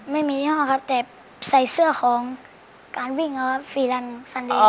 ไม่มียี่ห้อครับแต่ใส่เสื้อของการวิ่งนะครับฟีรันฟันแดง